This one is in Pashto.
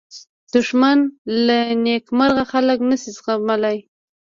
دښمن له نېکمرغه خلک نه شي زغملی